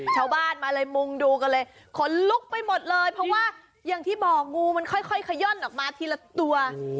ชาวบ้านมาเลยมุงดูกันเลยขนลุกไปหมดเลยเพราะว่าอย่างที่บอกงูมันค่อยขย่อนออกมาทีละตัว